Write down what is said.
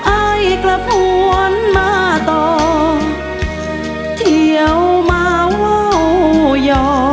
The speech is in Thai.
อ้ายกลับหวนมาต่อเที่ยวมาว่าอย่อ